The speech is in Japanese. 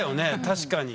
確かに。